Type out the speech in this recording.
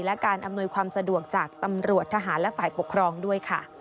และการอำนวยความสะดวกจากตำรวจทหารและฝ่ายปกครองด้วยค่ะ